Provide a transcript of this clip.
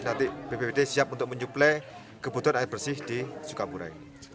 nanti bppt siap untuk menyuplai kebutuhan air bersih di sukabura ini